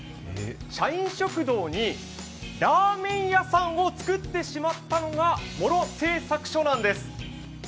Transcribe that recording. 社員食堂にラーメン屋さんを作ってしまったのが茂呂製作所なんです。